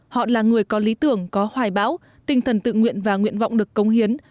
họ là người có lý tưởng có hoài bão tinh thần tự nguyện và nguyện vọng được công hiến